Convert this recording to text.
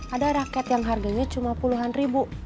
ada rakyat yang harganya cuma puluhan ribu